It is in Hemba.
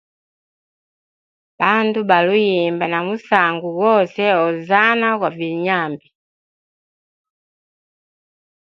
Bandu baliuyimba na musangu gose hozana gwa vilyenyambi.